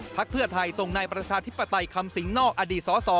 เพื่อไทยส่งนายประชาธิปไตยคำสิงนอกอดีตสส